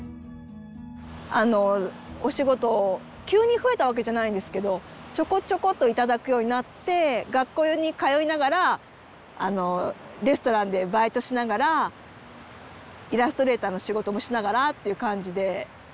あのお仕事急に増えたわけじゃないんですけどちょこちょこと頂くようになって学校に通いながらレストランでバイトしながらイラストレーターの仕事もしながらっていう感じで。